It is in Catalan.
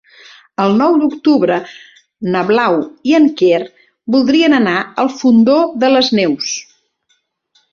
El nou d'octubre na Blau i en Quer voldrien anar al Fondó de les Neus.